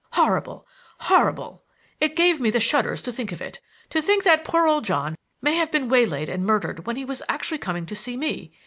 Horrible! horrible! It gave me the shudders to think of it to think that poor old John may have been waylaid and murdered when he was actually coming to see me.